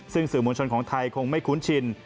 ซึ่งสื่อมวลชนของไทยคงไม่คุ้นชิน